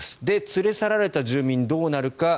連れ去られた住民はどうなるか。